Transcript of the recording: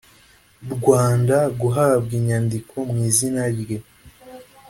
rwanda guhabwa inyandiko mu izina rye